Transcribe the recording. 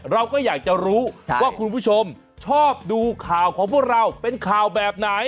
เราก็อยากจะรู้ว่าคุณผู้ชมชอบดูข่าวของพวกเราเป็นข่าวแบบไหน